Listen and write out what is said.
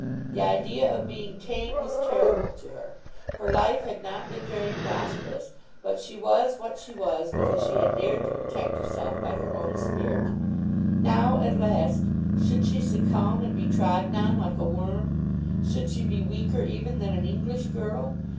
The idea of being tame was terrible to her. Her life had not been very prosperous, but she was what she was because she had dared to protect herself by her own spirit. Now, at last, should she succumb and be trodden on like a worm? Should she be weaker even than an English girl?